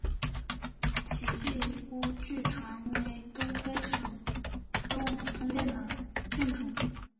奇迹屋据传为东非首幢通电的建筑。